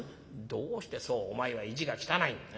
「どうしてそうお前は意地が汚い。